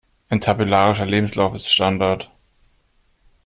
Ein tabellarischer Lebenslauf ist Standard.